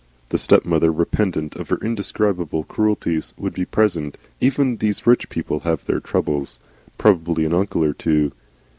The stepmother, repentant of her indescribable cruelties, would be present, even these rich people have their troubles, probably an uncle or two.